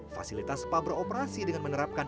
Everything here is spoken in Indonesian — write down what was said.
fasilitas spa beroperasi dengan menerapkan